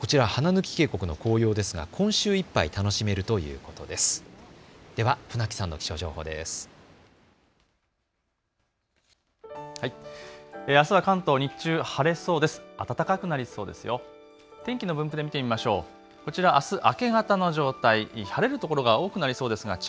こちら花貫渓谷の紅葉ですが今週いっぱい楽しめるということです。